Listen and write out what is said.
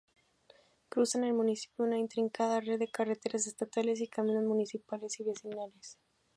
Cruzan el municipio una intrincada red de carreteras estatales y caminos municipales y vecinales.